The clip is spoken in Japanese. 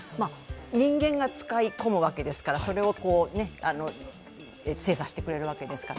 人間が使い込むわけですから、それを精査してくれるわけですから。